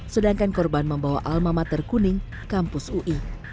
sedangkan korban membawa alma mater kuning kampus ui